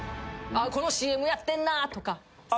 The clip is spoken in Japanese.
このＣＭやってんなとか。